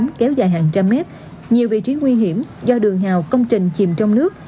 kéo dài hàng trăm mét nhiều vị trí nguy hiểm do đường hào công trình chìm trong nước